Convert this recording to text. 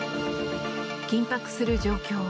緊迫する状況。